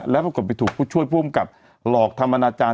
แล้วปรากฏไปถูกช่วยพ่วงกับหลอกธรรมนาจารย์